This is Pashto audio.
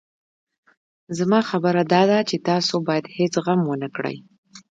زما خبره داده چې تاسو بايد هېڅ غم ونه کړئ.